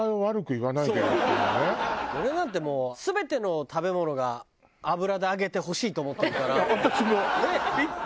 俺なんてもう全ての食べ物が油で揚げてほしいと思ってるから。